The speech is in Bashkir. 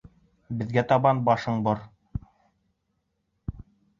Беҙгә табан башың бор!